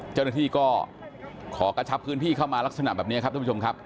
เจ้าหน้าที่ก็ขอกระชับพื้นที่เข้ามาลักษณะแบบนี้ครับท่านผู้ชมครับ